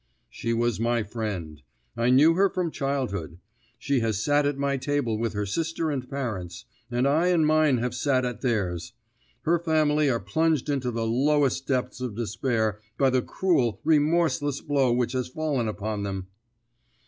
"She was my friend; I knew her from childhood; she has sat at my table with her sister and parents, and I and mine have sat at theirs. Her family are plunged into the lowest depths of despair by the cruel, remorseless blow which has fallen upon them."